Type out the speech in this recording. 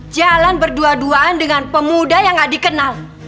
jalan berdua duaan dengan pemuda yang nggak dikenal